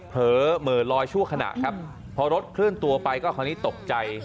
เผลอเหม่อลอยชั่วขณะครับพอรถเคลื่อนตัวไปก็คราวนี้ตกใจ